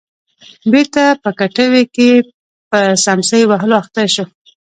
بېرته په کټوې کې په څمڅۍ وهلو اخته شو.